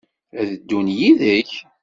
Ad d-ddun yid-k?